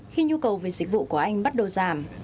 khi nhu cầu về dịch vụ của anh bắt đầu giảm